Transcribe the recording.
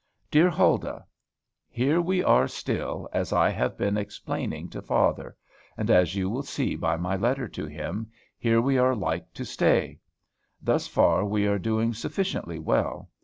DEAR HULDAH, Here we are still, as I have been explaining to father; and, as you will see by my letter to him, here we are like to stay. Thus far we are doing sufficiently well.